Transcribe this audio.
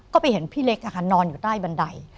ก็ไปเห็นพี่เล็กนอนอยู่ใต้บันได